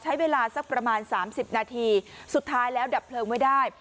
ใช้เวลาสักประมาณ๓๐นาทีสุดท้ายแล้วดับเพลิงไว้ได้